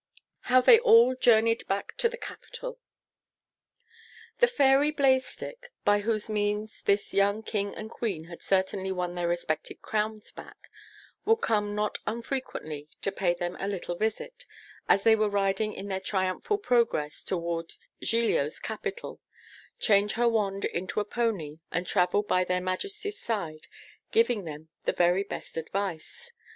HOW THEY ALL JOURNEYED BACK TO THE CAPITAL The Fairy Blackstick, by whose means this young King and Queen had certainly won their respective crowns back, would come not unfrequently, to pay them a little visit as they were riding in their triumphal progress towards Giglio's capital change her wand into a pony, and travel by their Majesties' side, giving them the very best advice.